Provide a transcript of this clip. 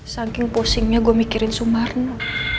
saking pusingnya gue mikirin sumarno